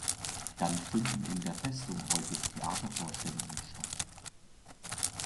Dann finden in der Festung häufig Theatervorstellungen statt.